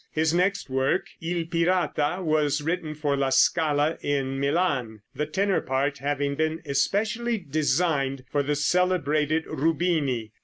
His next work, "Il Pirata," was written for La Scala in Milan, the tenor part having been especially designed for the celebrated Rubini.